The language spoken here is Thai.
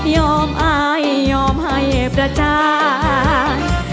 อายยอมให้ประจาน